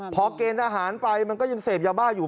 พอเกณฑ์อาหารไปมันก็ยังเสพยาบ้าอยู่